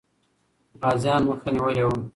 غازيان مخه نیولې وه.